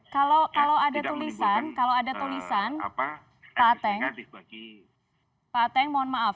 kalau ada tulisan pak ateng mohon maaf